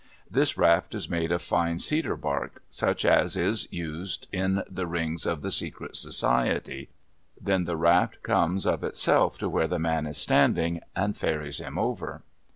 This raft is made of fine cedar bark, such as is used in the rings of the secret society. Then the raft comes of itself to where the man is standing, and ferries him over.